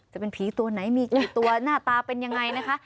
จะเป็นผีตัวไหนมีกี่ตัวหน้าตาเป็นยังไงนะคะ